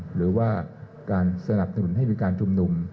หรือว่าการสนับสนุนให้มีการชุมนุม